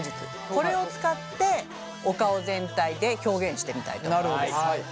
これを使ってお顔全体で表現してみたいと思います。